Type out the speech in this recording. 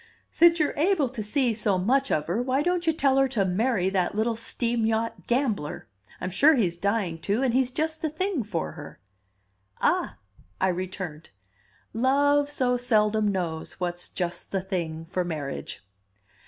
"Since you're able to see so much of her, why don't you tell her to marry that little steam yacht gambler? I'm sure he's dying to, and he's just the thing for her?" "Ah," I returned, "Love so seldom knows what's just the thing for marriage."